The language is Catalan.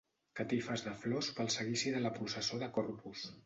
Catifes de flors pel seguici de la processó de Corpus.